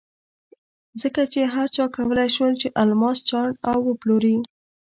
ځکه چې هر چا کولای شول چې الماس چاڼ او وپلوري.